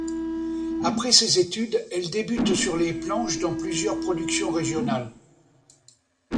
Après ses études, elle débute sur les planches dans plusieurs productions régionales.